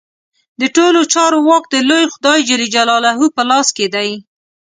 د ټولو چارو واک د لوی خدای جل جلاله په لاس کې دی.